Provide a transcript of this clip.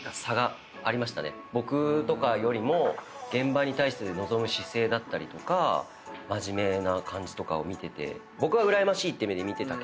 僕とかよりも現場に対して臨む姿勢だったりとか真面目な感じとかを見てて。